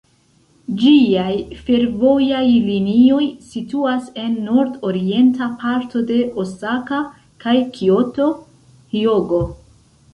Ĝiaj fervojaj linioj situas en nord-orienta parto de Osaka kaj Kioto, Hjogo.